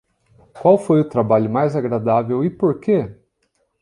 Qual foi o trabalho mais agradável e por quê?